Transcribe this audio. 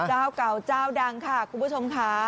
เจ้าเก่าเจ้าดังค่ะคุณผู้ชมค่ะ